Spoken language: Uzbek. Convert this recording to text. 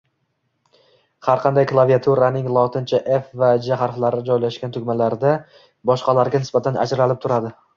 Har qanday klaviaturaning logincha F va J harflari joylashgan tugmalarda boshqalariga nisbatan ajralib turadigan